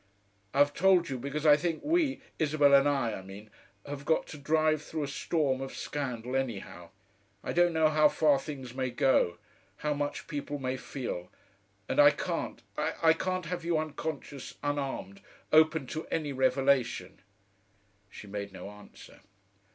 I've told you, because I think we Isabel and I, I mean have got to drive through a storm of scandal anyhow. I don't know how far things may go, how much people may feel, and I can't, I can't have you unconscious, unarmed, open to any revelation " She made no answer.